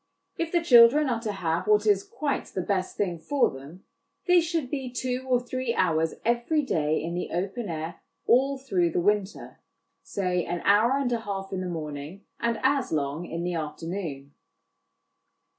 If the children are to have what is quite the best thing for them, they should be two or three hours every day in the open air all through the winter, say an hour and a half in the morning and as long in the afternoon.